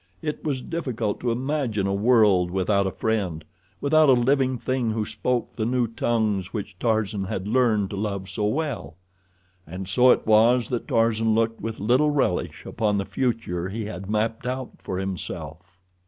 It was difficult to imagine a world without a friend—without a living thing who spoke the new tongues which Tarzan had learned to love so well. And so it was that Tarzan looked with little relish upon the future he had mapped out for himself.